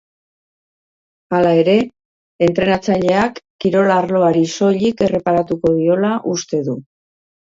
Hala ere, entrenatzaileak kirol arloari soilik erreparatuko diola uste du.